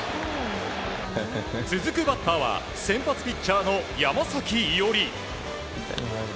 続くバッターは先発ピッチャーの山崎伊織。